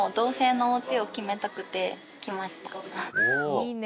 いいね。